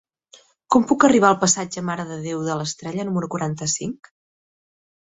Com puc arribar al passatge Mare de Déu de l'Estrella número quaranta-cinc?